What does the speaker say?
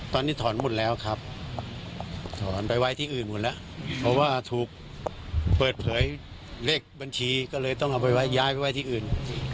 ตอนนี้ถอนหมดแล้วครับถอนไปไว้ที่อื่นหมดแล้วเพราะว่าถูกเปิดเผยเลขบัญชีก็เลยต้องเอาไปไว้ย้ายไปไว้ที่อื่น